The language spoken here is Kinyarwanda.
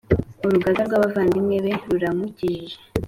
urugaga rw’abavandimwe be ruramukikije,